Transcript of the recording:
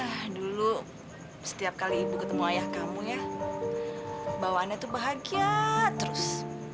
hah dulu setiap kali ibu ketemu ayah kamu ya bawaannya tuh bahagia terus